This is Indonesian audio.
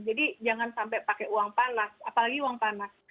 jadi jangan sampai pakai uang panas apalagi uang panas